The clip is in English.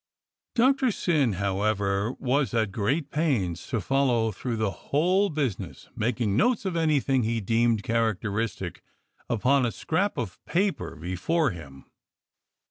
Doctor Syn, how ever, was at great pains to follow through the whole business, making notes of anything he deemed character istic upon a scrap of paper before him.